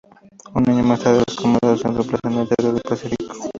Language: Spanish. Un año más tarde los comandos se desplazan al teatro del Pacífico.